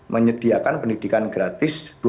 menyediakan pendidikan gratis